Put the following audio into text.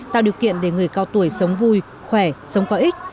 tạo điều kiện để người cao tuổi sống vui khỏe sống có ích